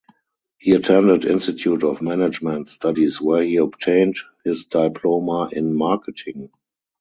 He attended Institute of Management Studies where he obtained his Diploma in Marketing.